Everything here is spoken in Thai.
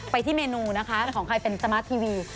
ไปที่เมนูนะคะของใครเป็นสมาร์ททีวี